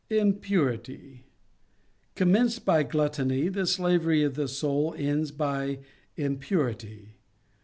* Impurity. Commenced by gluttony, the slavery of the soul ends by impurity.